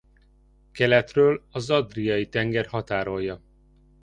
Keletről az Adriai-tenger határolja.